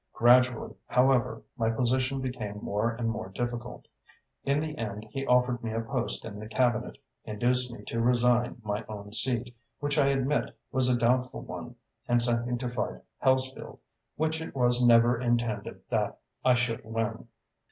Gradually, however, my position became more and more difficult. In the end he offered me a post in the Cabinet, induced me to resign my own seat, which I admit was a doubtful one, and sent me to fight Hellesfield, which it was never intended that I should win.